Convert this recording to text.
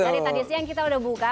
jadi tadi siang kita sudah buka